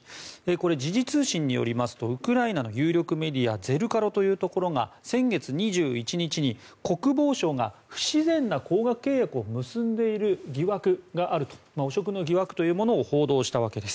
時事通信によりますとウクライナの有力メディアゼルカロというところが先月２１日に国防省が不自然な高額契約を結んでいる疑惑があると汚職の疑惑というものを報道したわけです。